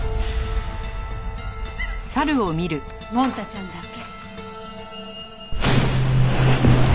モン太ちゃんだけ。